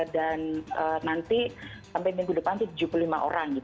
dan nanti sampai minggu depan tujuh puluh lima orang